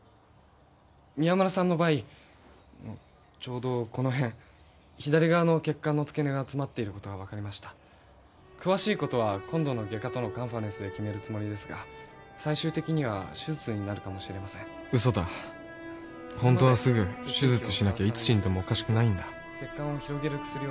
宮村さんの場合ちょうどこの辺左側の血管のつけ根が詰まっていることが分かりました詳しいことは外科と決めるつもりですが最終的には手術になるかもしれませんウソだ本当はすぐ手術しなきゃいつ死んでもおかしくないんだ